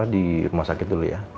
di rumah sakit dulu ya